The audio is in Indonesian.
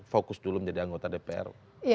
fokus dulu menjadi anggota dpr